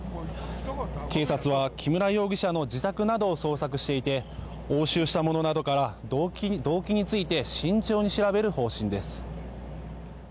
警察は木村容疑者の自宅などを捜索していて押収したものなどから動機について慎重に調べる方針です。